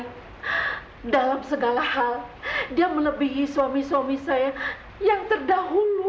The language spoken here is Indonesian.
dan dalam segala hal dia melebihi suami suami saya yang terdahulu